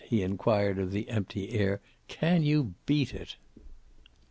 he inquired of the empty air. "Can you beat it?"